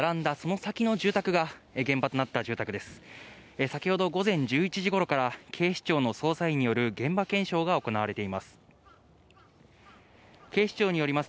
先ほど午前１１時頃から警視庁の捜査員による現場検証が行われています。